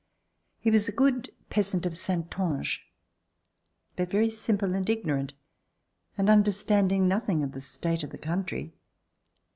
He was a good peasant of Saintonge, but very simple and ignorant and understanding nothing of the state of the country.